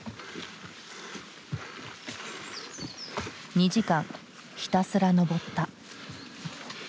２時間ひたすら登った。